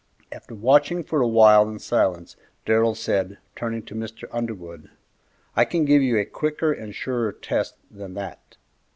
After watching for a while in silence Darrell said, turning to Mr. Underwood, "I can give you a quicker and a surer test than that!"